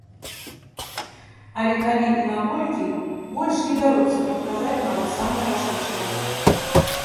Але калі і наколькі, больш не бяруцца прадказаць нават самыя рашучыя.